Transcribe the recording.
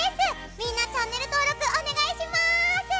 みんな、チャンネル登録お願いします！